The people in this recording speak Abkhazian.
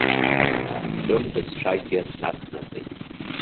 Тәым бызшәакгьы нацнаҵеит.